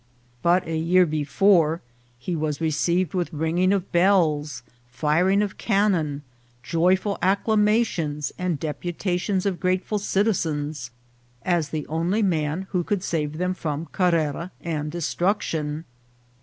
But a year before he was received with ringing of bells, firing of cannon, joyful acclamations, and dep utations of grateful citizens, as the only man who could save them from Carrera and destruction.